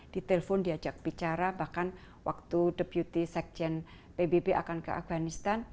ditelepon diajak bicara bahkan waktu deputi sekjen pbb akan ke afganistan